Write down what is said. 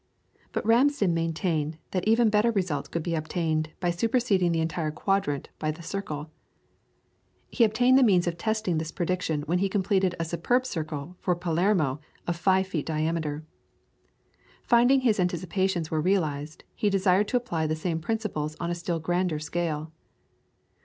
But Ramsden maintained that even better results would be obtained by superseding the entire quadrant by the circle. He obtained the means of testing this prediction when he completed a superb circle for Palermo of five feet diameter. Finding his anticipations were realised, he desired to apply the same principles on a still grander scale.